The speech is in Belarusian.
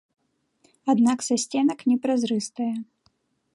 Адна са сценак непразрыстая.